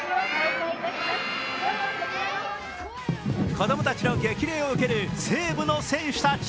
子供たちの激励を受ける西武の選手たち。